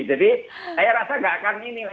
jadi saya rasa tidak akan ini